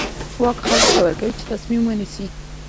واک خلکو ته ورکوي چې تصمیم ونیسي.